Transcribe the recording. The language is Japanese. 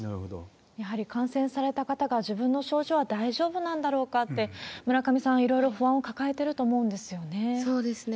やはり感染された方が自分の症状は大丈夫なんだろうかって、村上さん、いろいろ不安を抱えてると思うんですよね。